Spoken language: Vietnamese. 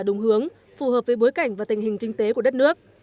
đúng hướng phù hợp với bối cảnh và tình hình kinh tế của đất nước